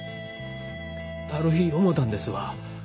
ある日思たんですわ。